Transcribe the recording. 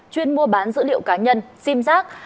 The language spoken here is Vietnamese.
chuyên mua bán dữ liệu cá nhân sim giác